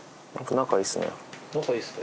仲いいですね。